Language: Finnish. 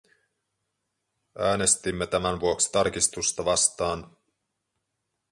Äänestimme tämän vuoksi tarkistusta vastaan.